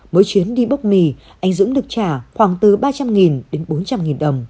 mỗi chuyến đi bốc mì anh dũng được trả khoảng từ ba trăm linh đến bốn trăm linh đồng